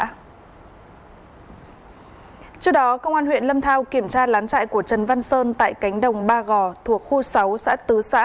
trước đó công an huyện lâm thao kiểm tra lán chạy của trần văn sơn tại cánh đồng ba gò thuộc khu sáu xã tứ xã